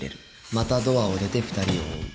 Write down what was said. またドアを出て２人を追う。